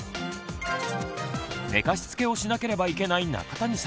寝かしつけをしなければいけない中谷さん